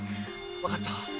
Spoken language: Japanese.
わかった。